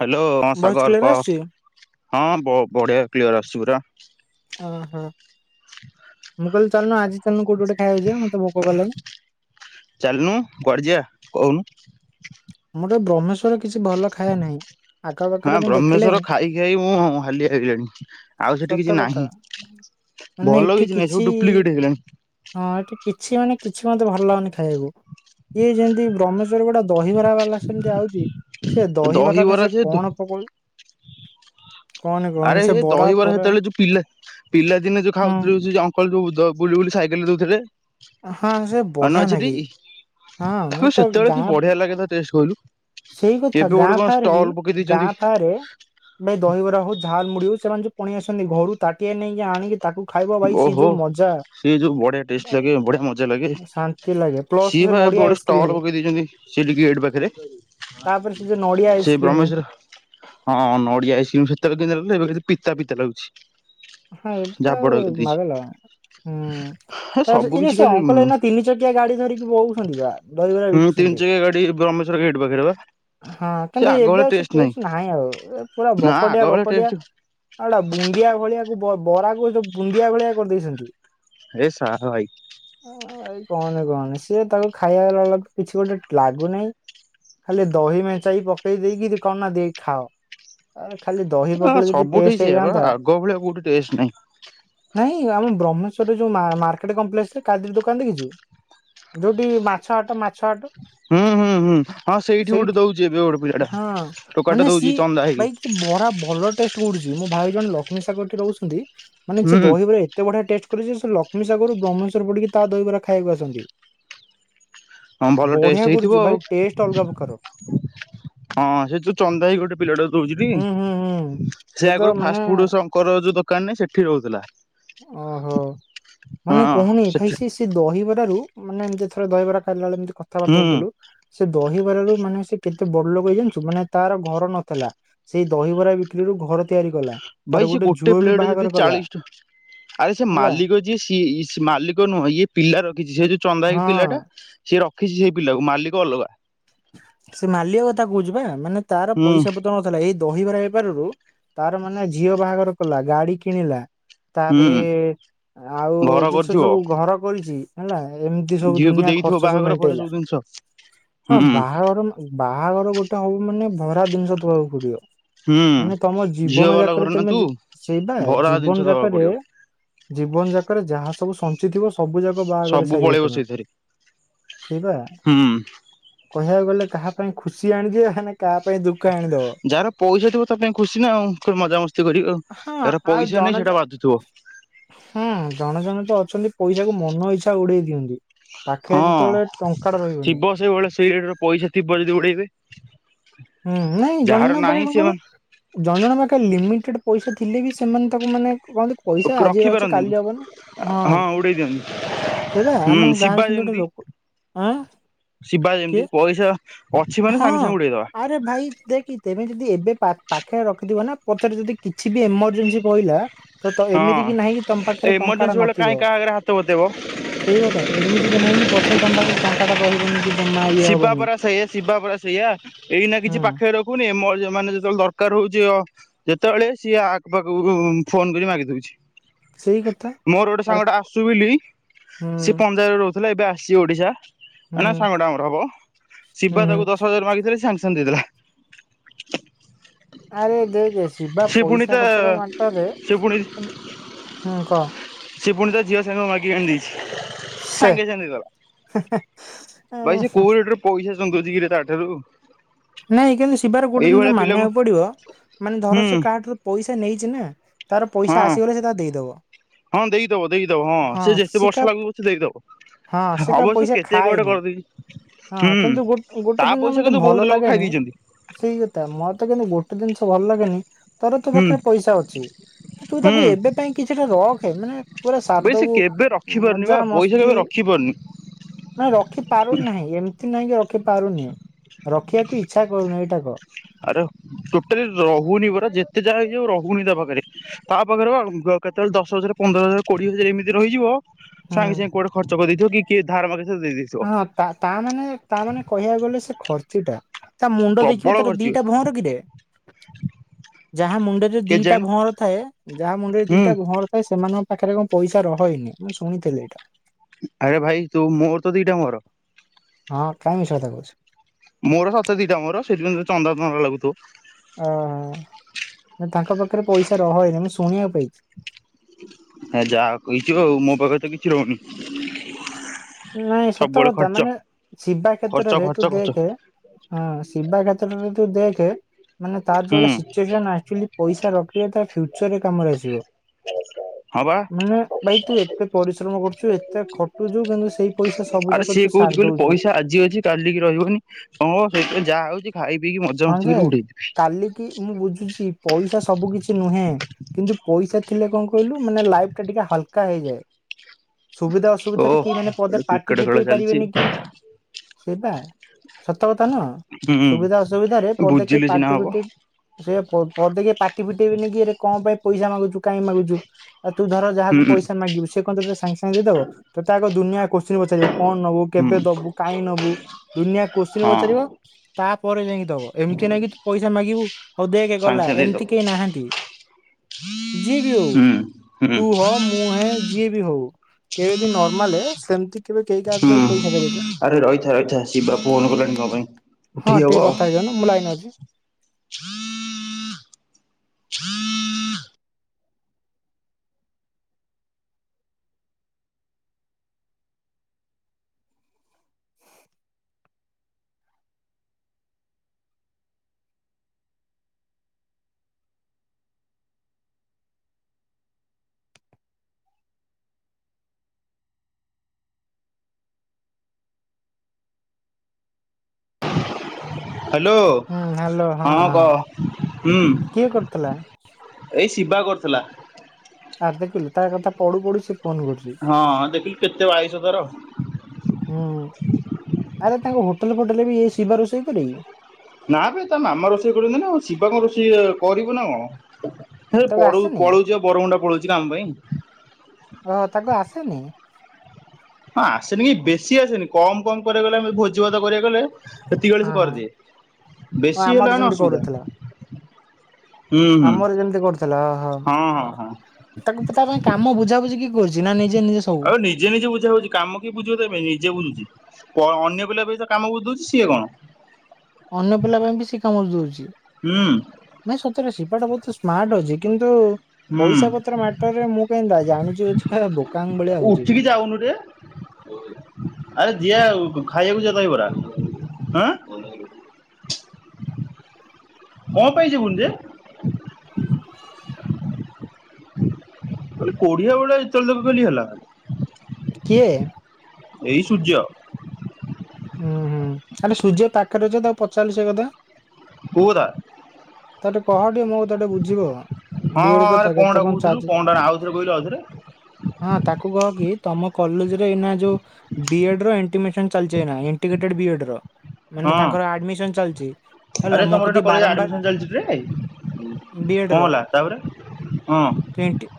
Hello ହଁ voice ସାଗର clear କଁ ଆସୁଛି? ହଁ ବ ବଢ଼ିଆ କ୍ଲିଅର ଆସଛି ପୁରା। ଓହୋ। ମୁଁ କହିଲି ଚାଲୁନ ଆଜି ଚାଲୁନ କୋଉଠି ଗୋଟେ ଖାଇବାକୁ ଯିବା ମତେ ଭୋକ କଲାଣି। ଚାଲୁନୁ କୁଆଡ଼େ ଯିବା କହୁନୁ। ମୋତେ ବ୍ରହ୍ମେଶ୍ଵର କିଛି ଭଲ ଖାଇବା ନାହିଁ। ହଁ ଆଖପାଖରେ ମୁଁ ବ୍ରହ୍ମେଶ୍ଵର ଦେଖିଲିଇଁ ଖାଇ ଖାଇ ମୁଁ ହାଲିଆ ହେଇଲିଣି ଆଉ ସେଠି କିଛି ସତ କଥା ନାହିଁ। ମାନେ ଭଲ ଏଠି କିଛି ନାହିଁ ସବୁ ଡୁପ୍ଲିକେଟ୍ ହେଇଗଲାଣି। ହଁ ଏଠି କିଛି ମାନେ କିଛି ମତେ ଭଲ ଲାଗୁନି ଖାଇବାକୁ। ଇଏ ଯେମିତି ବ୍ରହ୍ମେଶ୍ୱରରେ ଗୋଟିଏ ଦହିଭା ସେମିତି ଆଉଚି ସେ ଦହିଭାତରେ ଦହିବରା ଯେ ସେକଣ ପକଉ କହନି କହନି ଆରେ ସେ ବରା ଦହିବରା ଫରା ସେତେଳେ ଯୋଉ ପିଲା ପିଲାଦିନେ ଯେଉଁ ହଁ ଖାଉଥିଲୁ ସେଯଉ ଅଙ୍କ ଲ ବୁ ବୁଲି ସାଇକେଲରେ ଦଉଥିଲେ ହଁ ସେ ମନେ ବଢ଼ିଆ ଅଛି ଟି? ନାଗେ ହଁ ତାକୁ ମୁଁତ ସେତେବେଳେ କି ଗାଁ ବଢିଆ ଲାଗେ ତା ଟେଷ୍ଟ କହିଲୁ ସେଇ କଥା ଏବେ ଗୋଟେ ଗାଁ କଣ ଫରେବି ଷ୍ଟଲ ପକେଇ ଦେଇଛନ୍ତି ଗାଁ ଫାରେ ଭାଇ ଦହିବରା ହଉ ଝାଲ୍ ମୁୁଡ଼ି ହଉ ସେମାନେ ଯୋଉ ପଣି ଆସନ୍ତି ଘରୁ ତାଟିଆ ନେଇକି ଆଣିକି ତାକୁ ଖାଇବ ଭାଇ ସିଏ ଓହୋ ଯେଉଁ ମଜା ସିଏ ଯୋଁ ବଢ଼ିଆ ଟେଷ୍ଟ ଭାଇ ଲାଗେ ବଢ଼ିଆ ମଜା ଲାଗେ ଶାନ୍ତି ଲାଗେ ପ୍ଲସ୍ ସେ ସିଏବା ଏବେ ନଡିଆ ଗୋଟେ ଆଇସ୍କ୍ରିମ ଷ୍ଟଲ୍ ପକେଇ ଦେଇଚନ୍ତି। ସେଇଟି ଗେଟ୍ ପାଖରେ ତାପରେ ଯୋଉ ନଡିଆ ସେ ଆଇସ୍କ୍ରିମ ବ୍ରହ୍ମେଶ୍ଵର ହଁ ନଡ଼ିଆ ଆଇସ୍କ୍ରିମ୍ ସେତେବେଳେ କେମିତି ଏବେ ପିତା ପିତା ଲାଗୁଚି। ହଁ ଏବେ ଆଉ ମାଗଲା ହୁଁ ହେ ତାପରେ ସେ ସବୁ ଅଙ୍କଲ ଏଇନା କିଛି ସେ ଖାଲି ଅଙ୍କଲ ଏଇନା ତିନି ଚକିଆ ଗାଡ଼ି ଧରିକି ବୋଉଛନ୍ତିବା। ହଁ ତିନି ଚିକିଆ ଗାଡ଼ି ବ୍ର‌ହ୍ମେଶ୍ବର ଗେଟ୍ ପାଖରେ ବା। ହଁ ସେ କିନ୍ତୁ ଆଗ ଏବେ ଭଳିଆ ଟେଷ୍ଟ ସେଟେଷ୍ଟ ନାହିଁ ଆଉ ଏ ପୁରା ନା ଆଗ ବକଟିଆ ଭଳିଆ ବକଟିଆ ଟେଷ୍ଟ ଆଉଟା ବୁନ୍ଦିଆ ଭଳିଆକୁ ପ ବରାକୁ ସେ ବୁନ୍ଦିଆ ଭଳିଆ କରିଦେଇଚନ୍ତି। ଏ ଶଳା ଭାଇ। ଭାଇ କହନି କହନି ସିଏ ତାକୁ ଖାଇବା ବାଲା କିଛି ଗୋଟେ ଲାଗୁନେହିଁ ଖାଲି ଦହି ମେଚାଇ ପକେଇ ଦେଇକି କଣନା ଦେଇ ଖାଅ। ଆ ଖାଲି ଦହି ଆ ପକେଇଲେ ଯଦି ସବୁଠି ଟେଷ୍ଟ ସେଇଆ ବା ହେଇଯାଆନ୍ତା ଆଗ ଭଳିଆ କୋଉଠି ଟେଷ୍ଟ ନାହିଁ। ନାଇଁ ଆମ ବ୍ରହ୍ମେଶ୍ୱରେଉ ମା ମାର୍କେଟ କମ୍ପ୍ଲେକ୍ସରେ କାର ଦୋକାନ ଦେଖିଚୁ? ଯୋଉଟିି ମାଛ ହାଟ ମାଛ ହାଟ ହୁଁ ହୁଁ ହୁଁ ହଁ ସେଇଠି ଗୋଟେ ଦଉଚି ଏବେ ଗୋଟେ ପିଲାଟା ହଁ ଟୋକାଟେ ମାନେ ଦଉଚି ସିଏ ଚନ୍ଦା ଭାଇ ହେଇକି। ବରା ଭଲ ଟେଷ୍ଟ ବଡ଼ୁଚି ମୋ ଭାଇ ଜଣେ ଲକ୍ଷ୍ମୀ ସାଗରଟି ରହୁଛନ୍ତି ମାନେ ସେ ହୁଁ। ଦହିବାର ଏ ତେ ବଢିଆ ଟେଷ୍ଟ କରିଚି ସେଲକ୍ଷ୍ମୀ ସାଗରରୁ ବ୍ରହ୍ମେଶ୍ୱର ପିଟିକି ତାଦହିବାର ଖାଇବାକୁ ଆସନ୍ତି। ହଁ ଭଲ ଟେଷ୍ଟ ବଢିଆ ହେଇଥିବ କରୁଛି ଆଉ ଭାଇ ଟେଷ୍ଟ ଅଲଗା ପକାର। ହଁ ସେ ଯୋଉ ଚନ୍ଦା ହେଇ ଗୋଟେ ପିଲାଟା ଦଉଚି ଟି ହୁଁ ହୁଁ ହୁଁ। ସେ ତ ଆଗରୁ ମାନେ ଫାଷ୍ଟ ଫୁଡ ଶଙ୍କର ଯୋଉ ତ ଦୋକାନ ନାଇଁ ସେଠି ରହୁଥିଲା। ଓହୋ ହଁ ମାନେ କହୁନି ଭାଇ ସେଠି ସେସ୍ ସେ ଦହିବରା ରୁ ମାନେ ଏମିତି ଥରେ ଦହିବରା ଖାଇଲା ବେଳେ ଏମିତି ହୁଁ କଥାବାର୍ତା ହଉଥୁଲୁ। ସେ ଦହିବରାରୁ ମାନେ ସେ କେତେ ବଡ଼ ଲୋକ ହେଈଛି ଜାଣିଛୁ ମାନେ ତାର ଘର ନଥେଲା। ସେଇ ଦହିବରା ବିକ୍ରି ରୁ ଘର ତିଆରି କଲା। ତାର ଭାଇ ସେ ଗୋଟେ ଝୁଅ ବି ପ୍ଲେଟ୍ ବାହାଘର ଯଦି କଲା ଚାଳିଶ ଟ ଆରେ ସେ ହେଲା ମାଲିକ ଯିଏ ସି ମାଲିକ ନୁହେଁ ଇଏ ପିଲା ରଖିଛି ସେ ଯୋଉ ଚନ୍ଦା ହେଇ ହଁ ପିଲାଟା। ସିଏ ରଖିଜି ସେଇ ପିଲାକୁ ମାଲିକ ଅଲଗା। ସେ ମାଲିକ କଥା କହୁଛି ବା ମାନେ ତାର ହୁଁ ପଇସା ପତର ନ ଏଇ ଦହିବରା ବେପାରରୁ ତାର ମାନେ ଝିଅ ବାହାଘର କଲା ଗାଡି କିଣିଲା। ତାପରେ ହୁଁ ଆଉ ଘର ଜିନିଷ କରିଥିବ ଯଉ ଘର କରିଛି। ହେଲା ଏମିତି ସବୁ ଦୁନିଆ ଖର୍ଚ ସବୁ ମେଣ୍ଟେଇଲା। ଶ ହଁ ବାହାଘର ବାହାଘର ଗୋଟେ ହବ ମାନେ ଭରା ଜିନିଷ ଥୋଈବାକୁ ପଡିବ। ହୁଁ ମାନେ ତମ ଝିଅ ଜୀବନ ବାଲା ଯାକରେ ଘର ନା ତମେ ତୁ ସେଇବା ଭରା ଜିନିଷ ଜୀବନ ଦବାକୁ ଯାକରେ। ପଡିବ ଜୀବନ ଯାକରେ ଯାହା ସବୁ ସ ଚି ଥିବ ସବୁ ଯାକ ବାହାଘରେ ସବୁ ସାରିବ ପଳେଇବ ତମେ ସେଇଥିରେ ସେଇବା। ହୁଁ। କହିବାକୁ ଗଲେ କାହା ପାଇଁ ଖୁସି ଆଣିଦିଏ ହେଲେ କାହା ପାଇଁ ଦୁଃ ଯାହାର ପଇସା ଥିବ ତାପାଇଁ ଖୁସି ନା ଆଉ ମଜାମସ୍ତି କରିବ ହଁ ଯାର ଆଉ ପଇସା ଜଣେ ନାଇଁ ଜ- ସେଟା ବାଧୁଥିବ। ହୁଁ ଜଣେ ଜଣେ ତ ଅଛନ୍ତି ପଇସାକୁ ମନ ଇଚ୍ଛା ଉଡେଇ ଦିଅନ୍ତି। ପାଖରେ ହଁ ଯେତେବେଳେ ଟଙ୍କାଟା ରହିବନି ଥିବ ସେଇଭଳି ସେଇ ରେଟରେ ପଇସା ଥିବ ଯଦି ଉଡେଇବେ। ହୁଁ ନାଇଁ ଜଣ ଯାହାର ଜଣ ପାଖେ ନାହିଁ କଣ କହିଲୁ। ସେମାନେ ଜଣ ଜଣ ପାଖେ ଲିମିଟେଡ ପଇସା ଥିଲେ ବି ସେମାନେ ତାକୁ ମାନେ। କୁହନ୍ତି ପଇସା ରଖି ଆଜିର ଅଛି ପାରନ୍ତିନି କାଲି ହବନି ହଁ। ଉଡେଇ ଦିଅନ୍ତି ସେଇ ବା ହୁଁ ଆମ ଗାଁ ରେ ଶିବା ସେମିତି ଗୋଟେ ଯେମିତି ଲୋକ ଆଁ ଶିବା କିଏ ଯେମିତି ପଇସା ଅଛି ମାନେ ହଁ ସାଙ୍ଗେ ସାଙ୍ଗେ ଉଡେଇଦବା। ଆରେ ଭାଇ ଦେଖି ତେମେ ଯଦି ଏବେ ପା ପାଖେରେ ରଖିଥିବ ନା ପଛରେ ଯଦି କିଛି ବି ଏମରଜେନ୍ସି ପଇଲା ତ ତ ହଁ ଏମିତି କିି ନାହିଁ କି ତମ ପାଖରେ ଟଙ୍କା ଟା ଏମର୍ଜେନ୍ସି ବେଳେ କାହିଁ ନଥିବ। କାହା ଆଗରେ ହାତ ବତେଇବ ସେଇକଥା ଏମିତି କି ନାହିଁକି ପଛରେ ତମ ପାଖରେ ଟଙ୍କା ଟା ରହିବନି କି ଜମା ଇଏ ଶିବା ହବନି ପରା ସେଇୟା ଶିବା ପରା ସେଇୟା ଏଇ ନା କିଛି ହୁଁ। ପାଖେ ରଖ ଫୁନି ମୋ ମାନେ ଯେତେବେଳେ ଦରକାର ହଉଚି ଅ। ଯେତେବେଳେ ସିଏ ଆଖ ପାଖକୁ ଫୋନ କରି ମାଗିଦଉଛି। ସେଇ କଥା ମୋର ଗୋଟେ ଆରେ ସାଙ୍ଗଟା ଆସୁ ବିଲି ହୁଁ ସେ ପଞ୍ଜାଵରେ ରହୁ ଏବେ ଆସିଛି ଓଡ଼ିଶା ମାନେ ହୁଁ ସାଙ୍ଗଟା ଆମର ହବ ହୁଁ ସିଵା ତାକୁ ହୁଁ ଦଶହ ହଜାର ମାଗିଥିଲି ସାଙ୍ଗେ ସାଙ୍ଗେ ଦେଇ ଦେଲା। ଆରେ ଦେଖେ ଶିବା ସେ ପୁଣି ପଇସା ତା ପତ୍ର ମାଟର ରେ। ସେ ପୁଣି ସେ ପୁଣି ତା ଝିଅ ସାଙ୍ଗ ମାଗିକି ଆଣି ଦେଇଛି ସାଙ୍ଗେ ସାଙ୍ଗେ ଦେଇଦେଲା। ହେ ହେ ଭାଇ ସେ କୋଉ ରେଟରେ ପଇସା ଚନ୍ଦଉଛି କିରେ ତା ଠାରୁ। ନାଇଁ କିନ୍ତୁ ଶିବାର ଗୋଟେ ଯିନିଷ ମାନିବାକୁ ପଡିବ ମାନେ ଧର ହୁଁ ସେ କାହାଠାରୁ ପଇସା ନେଇଛି ନା। ତାର ପଇସା ହଁ ଆସିଗଲେ ସେ ତା ଦେଇଦବ। ହଁ ଦେଇଦବ ଦେଇଦବ ହଁ ସେ ଯେତେ ବର୍ଷ ଲାଗୁ ସେ ଦେଇଦବ। ହଁ ସେ କା ଅବଶ୍ୟ ପଇସା କେତେ ଗୋଟେ ଖାଏନି କରିଦେଇଛି ହଁ ହୁଁ କିନ୍ତୁ ଗୋ ତା ଗୋଟେ ଜିନିଷ ପଇସା ମତେ କିନ୍ତୁ ବହୁତ ଲୋକ ଖାଇ ଦେଇଛନ୍ତି [inaudible] ସେଇ କଥା ମତେ କିନ୍ତୁ ଗୋଟେ ଜିନିଷ ଭଲ ଲାଗେନି [unintelligible] ତୋ ହୁଁ ପାଖରେ ପଇସା ଅଛି। ତୁ ତୁ ହୁଁ ତାକୁ ଏବେ ପାଇଁ କିଛିଟା ରଖେ ମାନେ ପୁରା ସାରଦବୁ। ଏବେ ରଖିପାରୁନି ବା ପଇସା କେବେ ରଖିପାରୁନି। ନା ରଖିପାରୁନି ନାହିଁ, ଏମତି ନାହିଁ କିି ରଖିପାରୁନି। ରଖିବାକୁ ଇଚ୍ଛା କରୁନୁ ଏଇଟା କହ। ଆରେ ଟୋଟାଲି ରହୁନି ପରା ଯେତେ ଯାହା ହେଇଯାଉ ରହୁନି ତାପାଖରେ। ତା ପାଖରେ ପା କେତେବେଳେ ଦଶ ହଜାର ପନ୍ଦର ହଜାର କୋଡିଏ ହଜାର ଏମିତି ରହିଯିବ ହୁଁ। ସାଙ୍ଗେ ସାଙ୍ଗେ କୁଆଡେ ଖର୍ଚ କରି ଦେଇଥିବ କି କିଏ ଧାର ମାଗିଥିବ ଦେଇଦେଇ ହଁ ତା ତା ମାନେ ତା ମାନେ କହିବାକୁ ଗଲେ ସେ ଖର୍ଚ୍ଚିଟା। ତାମୁଣ୍ଡ ଦେଖିବୁ ପ୍ରବଳ ତାର ଖର୍ଚ୍ଚ ଦିଟା ଭଅଁର କିରେ? ଯାହା ମୁଣ୍ଡରେ ଦିଟା କେଜାଣି ଭଅଁର ଥାଏ, ‌ ଯାହା ମୁଣ୍ଡରେ ହୁଁ ଦିଟା ଭଅଁର ଥାଏ ସେମାନେ ପାଖରେ କଣ ପଇସା ରହଏନି ମୁଁ ଶୁଣିଥିଲି ଏଇଟା। ଆରେ ଭାଇ ତୁ ମୋର ତ ଦିଟା ଭଅଁର। ହଁ କାଇଁ ମିଛ କଥା କହୁଛୁ? ମୋର ସତରେ ଦିଟା ମୋର ସେଇଥି ପାଇଁ ତୋତେ ଚନ୍ଦା ଚନ୍ଦା ଲାଗୁଥିବ। ଓହୋଃ, ନାଇଁ ତାଙ୍କ ପାଖରେ ପଇସା ରହେନି ମୁଁ ଶୁଣିବାକୁ ପାଇଛି। ହେ ଯାହା କହିଛୁ ଆଉ, ମୋ ପାଖରେ ତ କିଛି ରହୁନି। ନାଇ ସବୁବେଳେ ସତକଥା ଖର୍ଚ୍ଚ ମାନେ ଶିବା ଖର୍ଚ୍ଚ କ୍ଷେତ୍ରରେ ତୁ ଖର୍ଚ୍ଚ ଖର୍ଚ୍ଚ ଦେଖେ। ହଁ ଶିବା କ୍ଷେତ୍ରରେ ତୁ ଦେଖେ ମାନେ ତାର ହୁଁ ଯୋଉଭଳିଆ ସିଚୁଏସନ୍ ଆକ୍ଚୁଆଲି ପଇସା ରଖିଲେ ତା ଫ୍ୟୁଚରରେ କାମରେ ଆସିବ, ହଁ ବା ମାନେ ଭାଇ ତୁ ଏତେ ପରିଶ୍ରମ କରୁଛୁ, ଏତେ ଖଟୁଛୁ କିନ୍ତୁ ସ୍ ଆରେ ସିଏ କହୁଛି କହିଲୁ ପଇସା ଆଜି ଅଛି କାଲିକି ରହିବନି, [unintelligible] ସେଇଥିପାଇଁ ଯାହା ଆଉଛି ଖାଇ ପିଇକି ମର୍ ହଁ ଯେ କାଲିକିି ମୁଁ ବୁଝୁଛି ପଇସା ସବୁ କିଛି ନୁହେଁ। କିନ୍ତୁ ପଇସା ଥିଲେ କଣ କହିଲୁ ମାନେ ଲାଇଫଟା ଟିକେ ହାଲକା ହେଇଯାଏ। ସୁବିଧା ଓ ଅସୁବିଧାରେ କେହି ମାନେ ପଦେ ଗୋଟେ ପାଟି କ୍ରିକେଟ ଖେଳ ଫିଟେଇ ଚାଲିଛି ପାରିବେନି କି ସେଇ ପା ସତ କଥା ନୁହଁ ସୁବିଧା ହୁଁ ଅସୁବିଧରେ ପଦେ କେହି ବୁଝିଲେ ସିନା ପାଟି ହବ ଫିଟେଇ ସେଇଆ ପ ପଦେ କେହି ପାଟି ‌ଫିଟେଇବେନି କିରେ କଣ ପାଇଁ ପଇସା ମାଗୁଛୁ କାଇଁ ମାଗୁଛୁ, ଆଉ ତୁ ଧର ହୁଁ ଯାହାକୁ ପଇସା ମାଗିବୁ ସେ କଣ ତତେ ସାଙ୍ଗେ ସାଙ୍ଗେ ଦେଇଦବ? ତତେ ଆଗ ଦୁନିଆ କୋଶ୍ଚିନ୍ ପଚାରିବ। କଣ ନବୁ ହୁଁ କେବେ ଦବୁ କାଇଁ ନବୁ ଦୁନିଆ କୋଶ୍ଚିନ ହଁ ପଚାରିବ ତାପରେ ଯାଇଁକି ଦବ, ଏମିତି ନାଇଁ କି ତୁ ପଇସା ମାଗିବୁ ହଉ ଦେଖେ ସାଙ୍ଗେ ଗଲା, ସାଙ୍ଗେ ଏମିତି ଦେଇଦବ କେହି ନାହାନ୍ତି ଯିଏବି ହଉ ହୁଁ ହୁଁ ତୁ ହଅ ମୁଁ ହେ ଯିଏ ବି ହଉ, କେବେ ବି ନର୍ମାଲେ ସେମିତି କେବେ କେହି କାହାକୁ କେହି ହୁଁ ପଇସା ଦେବେନି। ଆରେ ରହିଥା ରହିଥା ଶିବା ଫୋନ୍ କଲାଣି କଣ ପାଇଁ ହଁ ଉଠେଇ ହବ? [inaudible] ମୁଁ ଲାଇନେ ଅଛି। ହଁ ହ୍ୟାଲୋ ହଁ କହ ହୁଁ। କିଏ କରିଥିଲା ଏଇ ଶିବା କରୁଥିଲା। ଆର୍ ଦେଖିଲୁ ତା କଥା ପଡ଼ୁ ପଡ଼ୁ ସେ ଫୋନ କରୁଛି। ହଁ ଦେଖିଲୁ କେତେ ଆୟୁଷ ତାର। ହୁଁ-ଉ-ଉ ଆରେ ତାଙ୍କ ହୋଟେଲେ ଫୋଟେଲେ ବି ଏଇ ଶିବା ରୋଷେଇ କରେ କି? ନା ବେ ତା ମାମା ରୋଷେଇ କରନ୍ତି ନା ଆଉ ଶିବା କଣ ରୋଷେଇ କରିବ ନା କଣ। ସେ ତାକୁ ପଡୁ ଆସେନି? ପଳଉଛି ଆଉ ବରମୁଣ୍ଡା ପଳଉଛି କାମ ପାଇଁ। ଓହୋ ତାକୁ ଆସେନି? ହଁ ଆସେନି କି ବେଶୀ ଆସେନି କମ କମ କରିବାକୁ ଗଲେ ଭୋଜି ଭାତ କରିବାକୁ ଗଲେ ହେତିକିବେଳେ ହଁ ମୁଁ ହଁ କରିଦିଏ ଓ ବେଶୀ ଆମର ହେଲା ମାନେ ଯେମିତି ଅସୁବିଧା। କରୁଥିଲା ହୁଁ ହୁଁ ଆମର ଯେମିତି କରୁଥିଲା ହଁ ହଁ ଓହୋ। ହଁ। ତାକୁ ତା ପାଇଁ କାମ ବୁଝାାବୁଝି କିଏ କରୁଛି ନା ନିଜେ ନି ଆଉ ନିଜେ ନିଜେ ବୁଝା ହଉଛି କାମ କିଏ ବୁଝିବ ତେବେ ନିଜେ ବୁଝୁଛି। ଅନ୍ୟ ପିଲା ବି ତ କାମ ବୁଝି ଦଉଛି ସିଏ କଣ। ଅନ୍ୟ ପିଲା ପାଇଁ ବି ସେ କାମ ବୁଝି ଦଉଛି। ହୁଁ ନାଇଁ ସତରେ ସିପାଟା ବହୁତ ସ୍ମାର୍ଟ ଅଛି କିନ୍ତୁ ହୁଁ। ପଇସା ପତ୍ର ମାଟର ରେ ମୁଁ କାହିଁ ଦାୟୀ ଜାଣିଛି ଛୁଆଟା ବୋକାଙ୍ଗ ଭଳିଆ ହଉଛି। କି ଯାାଉନୁ ରେ। ଆରେ ଦିଅ ଆଉ ଖାଇବାକୁ ଯିିବା ଦହି ବରା ହାଁ। ମ [unintelligible] କଅଁ ପାଇଁ ଯିବୁନ ଯେ ଖାଲି କୋଢିଆ ବେଳିଆ ଯେତେବେଳେ ଦେଖିବୁ ଖଲି ହେଲା। କିଏ? ଏଇ ସୂର୍ଯ୍ୟ। ଉୁଁ ହୁଁ ଆରେ ସୂର୍ଯ୍ୟ ପାଖରେ ଅଛ ତାକୁ ପଚାରିଲୁ ସେଇ କଥା। କୋଉଦା। ତା ଟେ କହ ଟେ ମୋ କଥାଟେ ବୁଝିବ। ହଁ ବିଏଡ କଥା ହଁରେ କେତେ କଅଁଟା କଣ କହୁଥିଲୁ ଚାର୍ଜ କଅଟା ଆଉଥରେ କହିଲୁ ଆଉଥରେ। ହଁ ତାକୁ କହ କି ତମ କଲେଜରେ ଏଇନା ଯୋଉ ବି ଏଡ ର ଏଣ୍ଟିମେସନ ଚାଲି ଯିଏ ନାହିଁଇଣ୍ଟିଗ୍ରେଟେ ବିୟଡର। ମାନେ ତାଙ୍କର ହଁ ଆଡମିସନ ଚାଲିଛି ଆରେ ହେଲା ମୋ କଢିକୁ ବାରମ୍ବାର ବିଏଡ୍ କଅଁ ର ହେଲା ତାପରେ ହଁ।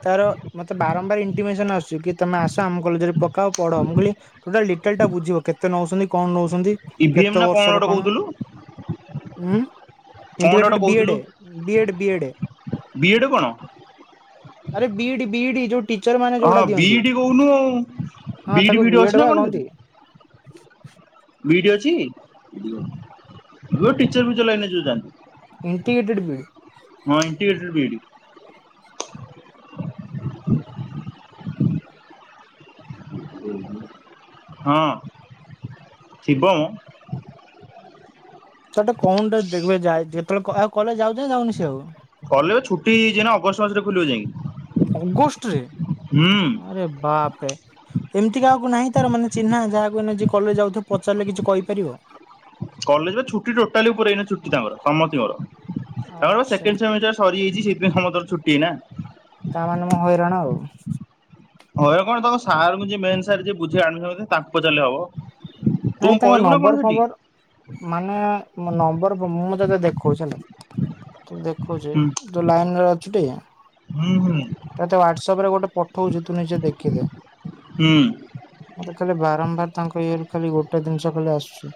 ତାର ମତେ ବାରମ୍ବାର ଇଣ୍ଟିମେସନ ଆସୁଛି କି ତମେ ଆସ ଆମ କଲେଜରେ ପକାଅ ପଢ ମୁଁ କହିଲି ଟୋଟାଲ ଡିଟେଲ ଟା ବୁଝିବ କେତେ ନଉଛନ୍ତି କଣ ନଉଛନ୍ତି ଇଭିଏମ୍ କେତେ ନା ବର୍ଷର ଗୋଟେ କଣ କହୁଥିଲୁ କଣଟା ଗୋଟେ ଉଇଣ୍ଟିଗ୍ରେଟେଡ କହୁଥିଲୁ ବିଏଡ ବି ଏଡ ବିଏଡ। ବିଏଡ୍ କଣ ଆରେ ବିଇଡି ବି ଡି ଯୋଉ ଟିଚର ମାନେ ଯୋଉଟା ଦିଅନ୍ତି ବିଡି କହୁନୁ ଆଉ। ହଁ ବିଇଡି ତାକୁ ଫିଇଡି ଅଛି ବିଏଡ ନା ବା କଣ କହନ୍ତି। ବିଡ୍ ଅଛି ତୁ ଟିଚର ଫିଚରଲାଇନେ ଯୋଯାଆ। ଇଣ୍ଟିଗ୍ରେଣ୍ଟର ବିଡି। ହଁ ଇଣ୍ଟିଗେଟେଡ଼ ବିଡି ହଁ ଥିବ ମ। ସେଟେ କଅଁଟେ ଦେଖିବ ଯେତେବେଳେଉ କଲେଜ ଯାଉଛ ଯାଉନି ସେ ଆଉ? କଲେଜ ଛୁଟି ହେଇଯଛି ନା ଅଗଷ୍ଟ ମାସରେ ଖୋଲିବ ଯାଇକି। ଅଗଷ୍ଟ ରେ ହୁଁ ଆରେ ବାପରେ। ଏମିତି କାହାକୁ ନାହିଁ ତାର ମାନେ ଚିହ୍ନା ଯାହା ଯଏ କଲେଜ ଯାଉଥିବ ପଚାରିଲେ କିଛି କହିପାରିବ? କଲେଜର ଛୁଟି ଟୋଟାଲି ଉପରେଇ ଛୁଟି ତାଙ୍କର ସମଙ୍କର ତାଙ୍କର ଆଚ୍ଛା ସେକେଣ୍ଡି ସରିଯାଇଛି ସେଥିପାଇ ସମସ୍ତର ଛୁଟି ନା ତା ମାନେ ମୁ ହଇରାଣ ଆଉ। ହଇରାନ କଣ ତାଙ୍କ ସାର କୁ ମେନେ ସାରେ ଯିଏ ବୁଝି ଆଡ଼ମିଶନ ତାଙ୍କୁ ପଚାରିଲେ ହବ। ତୁ କଣ ଭାଇ ତାଙ୍କ କରିବୁ ନା କଣ ନମ୍ବର ସେଠି? ଫମ୍ବର ମାନେ ନମ୍ବର ମୁଁ ତତେ ଦେଖଉଛି ହେଲା। ତୁ ଦେଖୁଚି ହୁଁ ତୁ ଲାଇନ୍ ରେ ଅଛୁ ଟି। ହୁଁ- ହୁଁ। ତତେ ହ୍ୱାଟ୍ସଆପ୍ ରେ ଗୋଟେ ପଠଉଚି ତୁ ନିଜେ ଦେଖିଦେ। ହୁଁ। ମତେ ଖାଲି ବାରମ୍ବାର ତାଙ୍କ ଇଏରୁ ଖାଲି ଗୋଟେ ଜିନିଷ ଖାଲି ଆସୁଚି।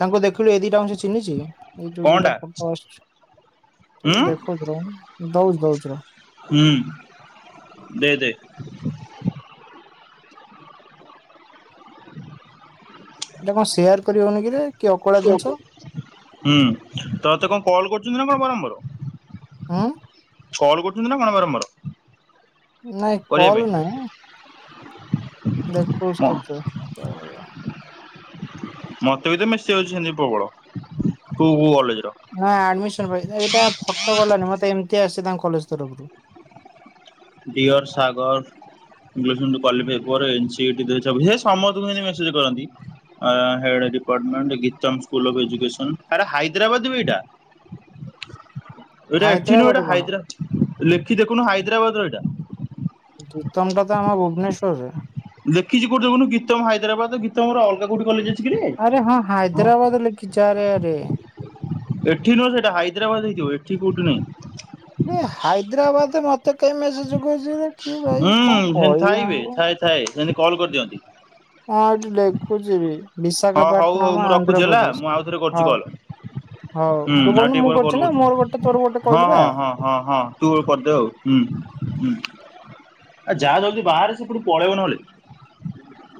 ତାଙ୍କୁ ଦେଖିଲୁ ଏ ଦିଟା ଙ୍କୁ ସେ ଚିହ୍ନିଚି। ଏଇ ଯଉ ଦିଟା କଣଟା ଫଟୋ ଆସୁଚି ହୁଁ ତତେ ଦେଖଉଚି ରହ ଦଉଚି ଦଉଚି ରହ। ହୁଁ ଦେ ଦେ। [inaudible] ଏଇଟା କଣ ସେୟାର କରିହଉନି କିରେ? କି ଅକଳିଆ ହୁଁ ଜିନିଷ ତତେ କଣ କଲ୍ କରୁଚନ୍ତି ନା କଣ ବାରମ୍ବାର? ହଁ। କଲ୍ କରୁଚନ୍ତି ନା କଣ ବାରମ୍ବାର? ନାଇଁ କରିବା ପାଇଁ? କଲ ନାଇଁ। ଦେଖଉଚି ମ ତତେ କୁଆଡେ ଗଲା। ମତେ ବି ତ ମେସେଜ୍ ଯାଉଚି ସେ ନ୍ତି ପ୍ରବଳ କଉ କଉ କଲେଜ ର। ହଁ ଆଡମିସନ୍ ପାଇଁ ଏଇଟା ଫଟୋ ଗଲାଣିି ମତେ ଏମିତି ଆସେ ତାଙ୍କ କଲେଜ୍ ତରଫରୁ। ଡିୟର୍ ସାଗର୍ [unintelligible] ସମସ୍ତଙ୍କୁ ଏମିତି ମେସେଜ୍ କରନ୍ତି। ଆ-ହେଡ୍ ଡିପାଟମେଣ୍ଟ୍ ଗିତମ୍ ସ୍କୁଲ୍ ର। [unintelligible] ଏଇଟା ଆକ୍ଚୁଲି ହାଇଦ୍ରାବାଦ ଗୋଟେ କଣ ହାଇଦ୍ରା ଲେଖି ଦେଖୁନୁ ହାଇଦ୍ରାବାଦ ର ଏଇଟା। ଗିତମ୍ ଟା ତ ଆମ ଭୁବନେଶ୍ୱରରେ। ଦେଖିଚି କଉଠେ କହିଲୁ ଗିତମ ହାଇଦ୍ରାବାଦେ ଗୀତମ ର ଅଲଗା କଉଠି କଲେଜେ ଆରେ ହଁ ହାଇଦ୍ରାବାଦେ ଲେଖିଚି ଆରେ ଆରେ। ଏଠି ନୁହଁ ସେଇଟା ହାଇଦ୍ରାବାଦ୍ ହେଇଥିବ ଏଠି କଉଠି ନାଇଁ। ଏ ହାଇଦ୍ରାବାଦେ ମତେ କେହି ମେସେଜ କରିଚି କି ଭାଇ ହୁଁ କଣ ସେମିତି କହିବେ ଥାଇବେ ଆଙ୍କୁ। ଥାଏ ଥାଏ ସେମିତି କଲ୍ କରିଦିଅନ୍ତି। ହଁ ଏଠି ଦେଖୁଚି ବି ହଁ ହଉ ହଉ ବିଶାଖାପାଟନମ୍ ମୁଁ ରଖୁଛି ହେଲା ଆନ୍ଧ୍ରପ୍ରଦେଶ ମୁଁ ଆଉ ଥରେ କରୁଛି ହଉ। କଲ୍। ହଉ ହୁଁ ତୁ ଆଉ ଟିକେ କରୁନୁ ମୁଁ ପରେ କଲ୍ କରୁଚି ନା କରୁଛି। ମୋର ଗୋଟେ ତୋର ଗୋଟେ ହଁ କହିଲି ବା। ହଁ ହଁ ହଁ -ହଁ ତୁ କରିଦେ ଆଉ ହୁଁ- ହୁଁ। ଆଉ ଯା ଜଲ୍ଦି ବାହାରେ ସେପଟୁ ପଳେଇବ ନହେଲେ।